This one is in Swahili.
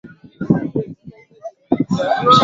korongo hili lilikuwa na mafuvu na mifupa mingi ya binadamu